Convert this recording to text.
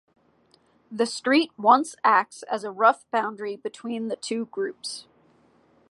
The street once acts as a rough boundary between the two groups.